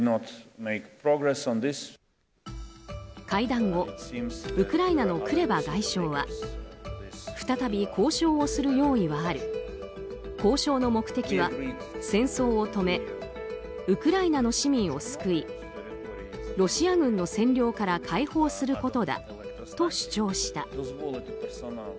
会談後ウクライナのクレバ外相は再び交渉をする用意はある交渉の目的は戦争を止めウクライナの市民を救いロシア軍の占領から解放することだと主張した。